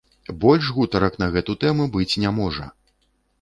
Больш гутарак на гэту тэму быць не можа!